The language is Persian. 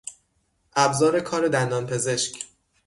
ابزار کار دندانپزشک